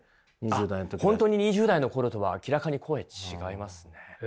あっ本当に２０代の頃とは明らかに声違いますね。